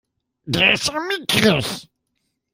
Der ist ja mickrig!